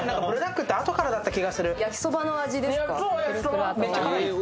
焼きそばの味ですか？